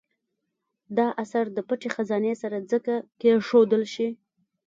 دا اثر د پټې خزانې سره ځکه کېښودل شي.